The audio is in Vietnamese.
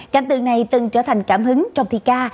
cảnh tượng này từng trở thành cảm hứng trong thi ca